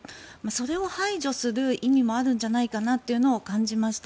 それを排除する意味もあるんじゃないかなと感じました。